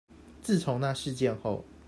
自從那事件後